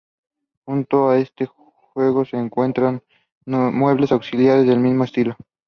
Junto a este juego se encuentran muebles auxiliares del mismo estilo.